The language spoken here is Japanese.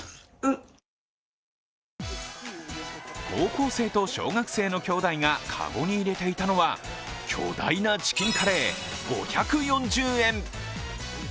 高校生と小学生のきょうだいがかごに入れていたのは巨大なチキンカレー、５４０円。